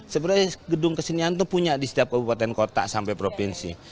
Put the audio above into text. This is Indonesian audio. sebenarnya gedung kesenian itu punya di setiap kabupaten kota sampai provinsi